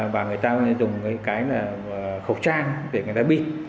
và người ta dùng cái khẩu trang để người ta biệt